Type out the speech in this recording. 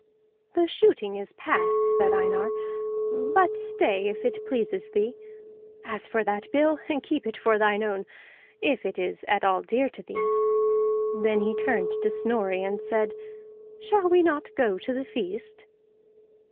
"The shooting is past," said Einar, "but stay if it pleases thee. As for that bill, keep it for thine own, if it is at all dear to thee." Then he turned to Snorri, and said, "Shall we not go to the feast?"